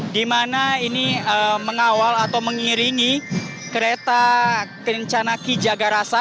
di mana ini mengawal atau mengiringi kereta kencanaki jagarasa